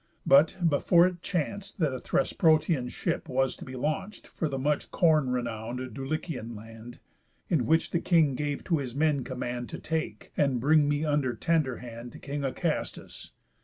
But, before, it chanc'd That a Thesprotian ship was to be launch'd For the much corn renown'd Dulichian land, In which the king gave to his men command To take, and bring me under tender hand To king Acastus.